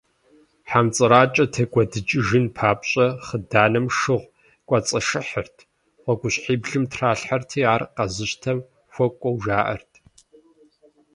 Хьэмцӏыракӏэр текӏуэдыкӏыжын папщӏэ, хъыданым шыгъу кӏуэцӏашыхьырт, гъуэгущхьиблым тралъхьэрти, ар къэзыщтэм хуэкӏуэу жаӏэрт.